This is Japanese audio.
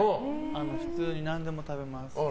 普通に何でも食べます。